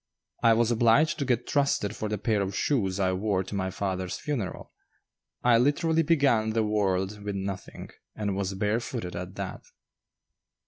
I was obliged to get trusted for the pair of shoes I wore to my father's funeral. I literally began the world with nothing, and was barefooted at that.